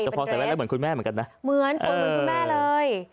แต่พอใส่แว่นแล้วเหมือนคุณแม่เหมือนกันนะเหมือนคนเหมือนคุณแม่เลย